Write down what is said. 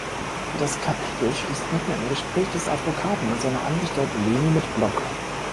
Das Kapitel schließt mitten im Gespräch des Advokaten und seiner Angestellten Leni mit Block.